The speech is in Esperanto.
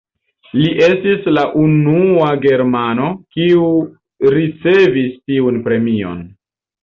Li estis la unua germano, kiu ricevis tiun premion.